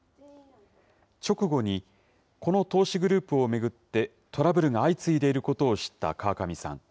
直後にこの投資グループを巡って、トラブルが相次いでいるを知った川上さん。